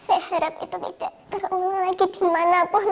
saya harap itu tidak terjadi lagi dimanapun